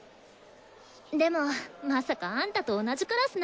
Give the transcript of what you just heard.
でもまさかあんたと同じクラスなんてね。